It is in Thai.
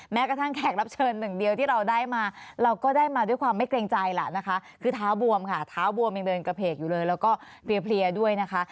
แม้กระทั่งแขกรับเชิญหนึ่งเดียวที่เราได้มาเราก็ได้มาด้วยความไม่เกรงใจล่ะนะคะคือเท้าบวมค่ะเท้าบวมยังเดินกระเพกอยู่เลยแล้วก็เพลียด้วยนะคะ